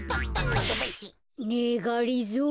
ねえがりぞー